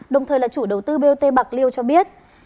đồng thời là chủ đầu tư bot bạc liêu cho biết